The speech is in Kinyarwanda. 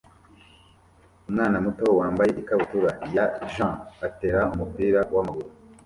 Umwana muto wambaye ikabutura ya jean atera umupira wamaguru